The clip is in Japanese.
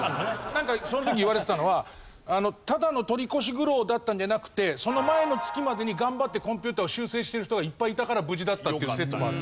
なんかその時言われてたのはただの取り越し苦労だったんじゃなくてその前の月までに頑張ってコンピューターを修正してる人がいっぱいいたから無事だったっていう説もあって。